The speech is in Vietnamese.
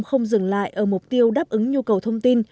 không dừng lại ở mục tiêu đáp ứng nhu cầu thông tin